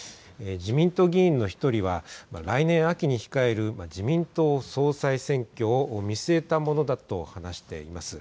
自民党議員の１人は来年秋に控える自民党総裁選挙を見据えたものだと話しています。